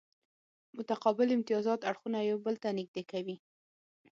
متقابل امتیازات اړخونه یو بل ته نږدې کوي